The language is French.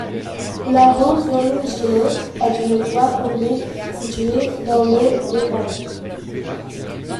La rue Firmin-Gillot est une voie publique située dans le de Paris.